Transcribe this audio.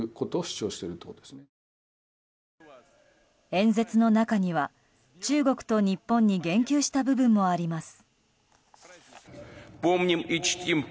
演説の中には中国と日本に言及した部分もあります。